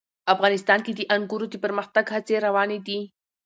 افغانستان کې د انګور د پرمختګ هڅې روانې دي.